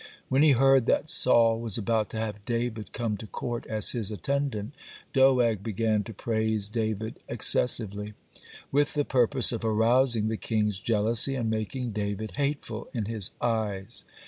When he heard that Saul was about to have David come to court as his attendant, Doeg began to praise David excessively, with the purpose of arousing the king's jealousy and making David hateful in his eyes.